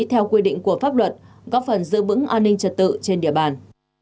theo quy định của pháp luật góp phần giữ vững an ninh trật tự trên địa bàn